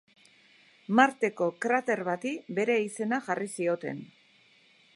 Marteko krater bati bere izena jarri zioten.